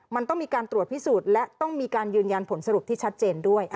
มันต้องมีการตรวจพิสูจน์และต้องมีการยืนยันผลสรุปที่ชัดเจนด้วย